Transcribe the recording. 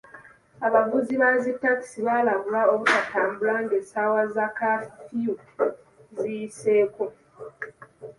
Abavuzi ba zi takisi baalabulwa obutatambula ng'essaawa za kaafiyu ziyiseeko.